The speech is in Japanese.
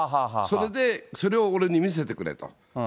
それでそれを俺に見せてくれと。